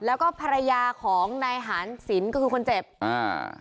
แล้วก็ภรรยาของนายหารสินก็คือคนเจ็บอ่า